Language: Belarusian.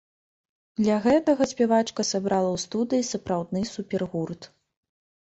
Для гэтага спявачка сабрала ў студыі сапраўдны супергурт.